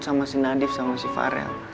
sama si nadif sama si farel